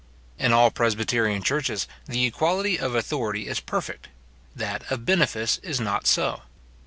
In all presbyterian churches, the equality of authority is perfect; that of benefice is not so.